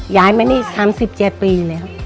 ย้ายมานี่๓๗ปีเลยครับ